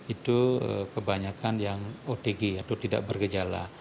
itu kebanyakan yang otg atau tidak bergejala